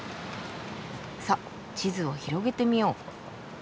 さっ地図を広げてみよう。